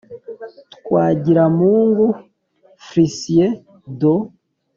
Twagiramungu f licien de